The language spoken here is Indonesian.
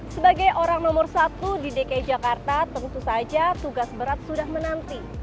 sebagai orang nomor satu di dki jakarta tentu saja tugas berat sudah menanti